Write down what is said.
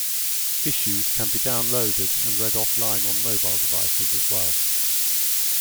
Issues can be downloaded and read offline on mobile devices as well.